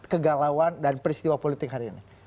kegalauan dan peristiwa politik hari ini